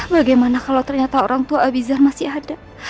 bagaimana kalau ternyata orang tua abizar masih ada